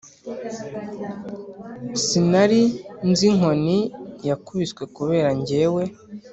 Sinari nz' inkoni yakubiswe Kubera jye we.